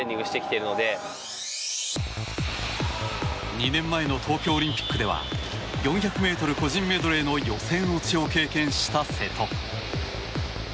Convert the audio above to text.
２年前の東京オリンピックでは４００ｍ個人メドレーの予選落ちを経験した瀬戸。